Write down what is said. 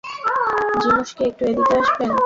যিমস্কি, একটু এদিকে আসবেন?